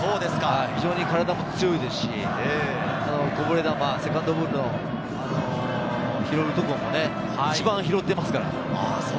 体も強いですし、こぼれ球、セカンドボールを拾うところも一番拾っていますから。